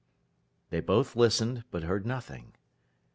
They both listened, but heard nothing.